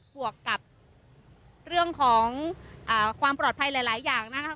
วกกับเรื่องของความปลอดภัยหลายอย่างนะคะ